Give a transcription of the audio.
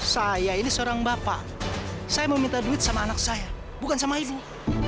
saya ini seorang bapak saya mau minta duit sama anak saya bukan sama ibu